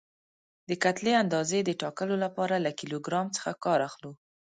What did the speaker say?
د کتلې اندازې د ټاکلو لپاره له کیلو ګرام څخه کار اخلو.